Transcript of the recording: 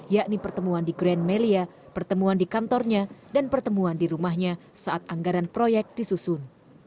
yakni pertemuan di grand melia pertemuan di kantornya dan pertemuan di rumahnya saat anggaran proyek disusun